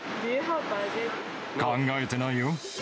考えてないよ。